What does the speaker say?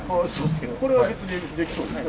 これは別にできそうですね